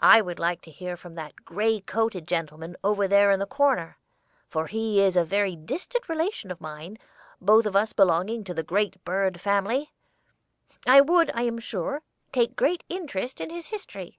I would like to hear from that gray coated gentleman over there in the corner, for as he is a very distant relation of mine, both of us belonging to the great bird family, I would, I am sure, take great interest in his history."